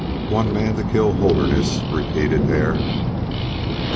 "One man to kill Holderness!" repeated Hare.